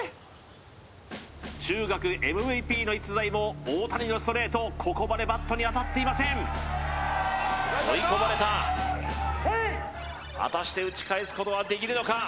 中学ＭＶＰの逸材も大谷のストレートをここまでバットに当たっていません追い込まれた果たして打ち返すことはできるのか？